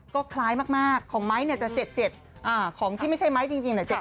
ก็คล้ายมากของไม้เนี่ยจะ๗๗ของที่ไม่ใช่ไม้จริงเนี่ย